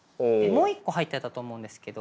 もう一個入ってたと思うんですけど。